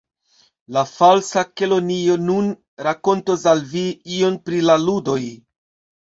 "La Falsa Kelonio nun rakontos al vi ion pri la ludoj."